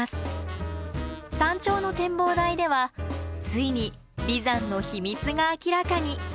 山頂の展望台ではついに眉山の秘密が明らかに。